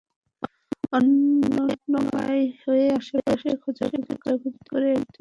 তাই অনন্যোপায় হয়ে আশপাশে খোঁজাখুঁজি করে একটি মড়া ডাল পেয়ে যাই।